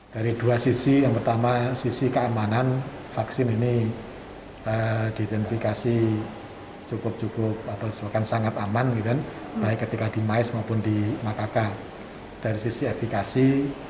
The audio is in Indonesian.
dari dua sisi yang pertama sisi keamanan vaksin ini diidentifikasi